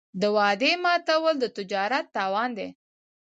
د وعدې ماتول د تجارت تاوان دی.